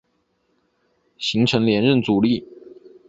形成连任阻力。